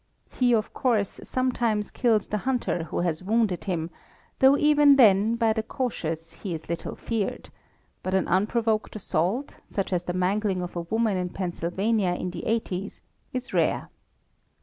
He, of course, sometimes kills the hunter who has wounded him, though even then, by the cautious, he is little feared; but an unprovoked assault, such as the mangling of a woman in Pennsylvania in the eighties, is rare.